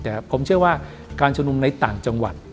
แต่ผมเชื่อว่าการชุมนุมในต่างจังหวัด